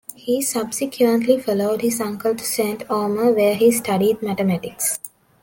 He subsequently followed his uncle to Saint-Omer, where he studied mathematics.